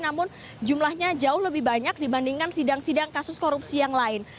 namun jumlahnya jauh lebih banyak dibandingkan sidang sidang kasus korupsi yang lain